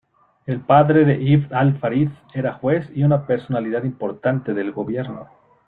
El padre de Ibn al-Farid era juez y una personalidad importante del gobierno.